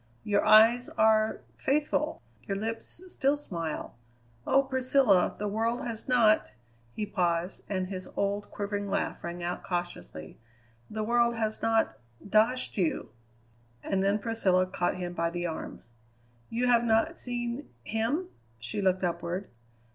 Your eyes are faithful; your lips still smile. Oh! Priscilla, the world has not" he paused and his old, quivering laugh rang out cautiously "the world has not doshed you!" And then Priscilla caught him by the arm. "You have not seen him?" she looked upward.